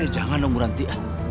jangan dong buranti